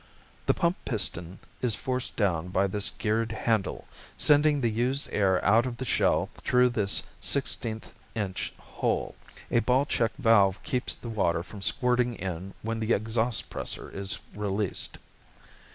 The pump piston is forced down by this geared handle, sending the used air out of the shell through this sixteenth inch hole. A ball check valve keeps the water from squirting in when the exhaust pressure is released."